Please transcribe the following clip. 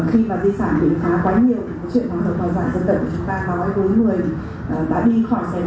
và khi mà di sản bị phá quá nhiều chuyện hoa hợp hoa giả dân tộc của chúng ta